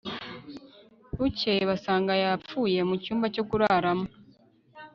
bukeye basanga yapfuye mu cyumba cyo kuraramo